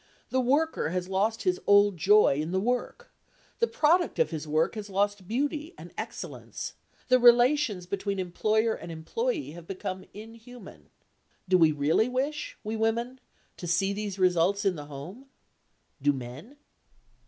The worker has lost his old joy in the work; the product of his work has lost beauty and excellence; the relations between employer and employee have become inhuman. Do we really wish, we women, to see these results in the home? Do men?